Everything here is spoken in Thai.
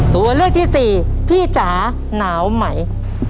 ตัวเลือกที่สี่พี่จ๋าหนาวไหม